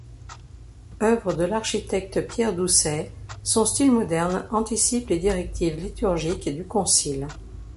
Œuvre de l'architecte Pierre Doucet, son style moderne anticipe les directives liturgiques du concile.